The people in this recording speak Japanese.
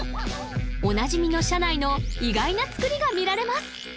おなじみの車内の意外なつくりが見られます！